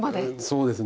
そうですね。